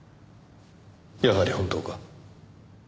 やはり本当か？